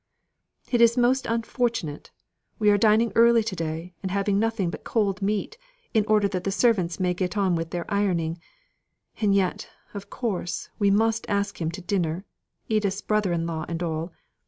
"It is most unfortunate! We are dining early to day, and having nothing but cold meat, in order that the servants may get on with their ironing; and yet, of course, we must ask him to dinner Edith's brother in law and all.